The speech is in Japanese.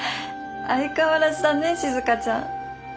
相変わらずだね静ちゃん。